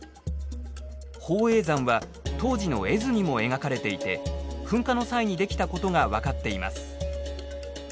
宝永山は当時の絵図にも描かれていて噴火の際にできたことが分かっています。